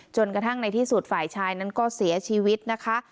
กระทั่งในที่สุดฝ่ายชายนั้นก็เสียชีวิตนะคะ